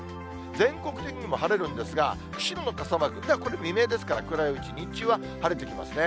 全国的にも晴れるんですが、釧路の傘マーク、これ未明ですから、暗いうち、日中は晴れてきますね。